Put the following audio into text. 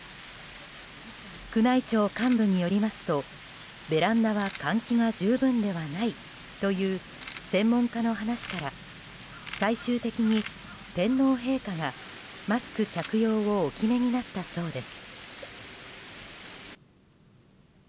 宮内庁幹部によりますとベランダは換気が十分ではないという専門家の話から最終的に天皇陛下がマスク着用をお決めになったそうです。